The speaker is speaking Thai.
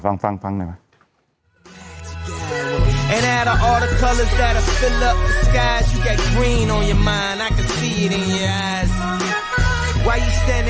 ฟังฟังฟังหน่อย